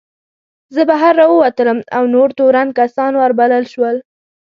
زه بهر راووتلم او نور تورن کسان ور وبلل شول.